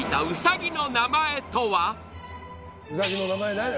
ウサギの名前何や？